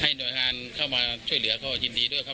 หน่วยงานเข้ามาช่วยเหลือก็ยินดีด้วยครับ